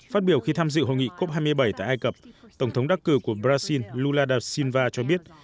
phát biểu khi tham dự hội nghị cop hai mươi bảy tại ai cập tổng thống đắc cử của brazil lula da silva cho biết